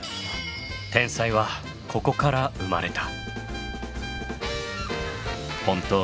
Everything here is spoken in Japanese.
天才はここから生まれた。